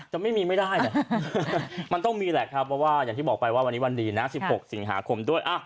จะไม่มีไม่ได้มันต้องมีแหละครับเพราะว่าอย่างที่บอกไปว่าวันนี้วันดีนะ๑๖สิงหาคมด้วย